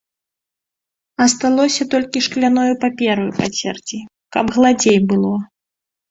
Асталося толькі шкляною папераю пацерці, каб гладзей было.